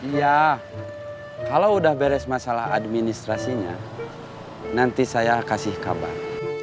iya kalau udah beres masalah administrasinya nanti saya kasih kabar